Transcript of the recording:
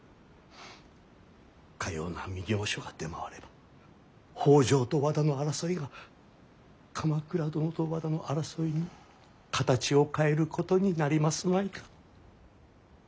かような御教書が出回れば北条と和田の争いが鎌倉殿と和田の争いに形を変えることになりますまいか。